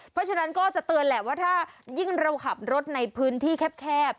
เพราะฉะนั้นก็จะเตือนแหละว่าถ้ายิ่งเราขับรถในพื้นที่แคบ